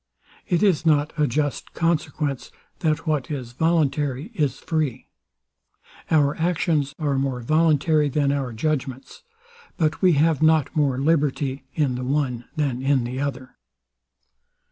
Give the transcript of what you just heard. It is not a just consequence, that what is voluntary is free. Our actions are more voluntary than our judgments; but we have not more liberty in the one than in the other.